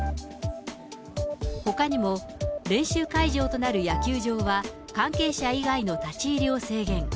ほかにも、練習会場となる野球場は、関係者以外の立ち入りを制限。